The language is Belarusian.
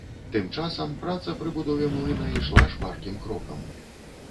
Тым часам праца пры будове млына ішла шпаркім крокам.